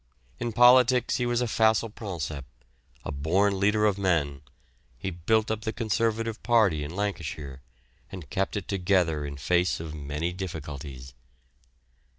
In politics he was facile princeps, a born leader of men; he built up the Conservative party in Lancashire, and kept it together in face of many difficulties.